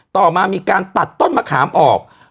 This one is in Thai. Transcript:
ต่อมามีการตัดต้นมะขามออก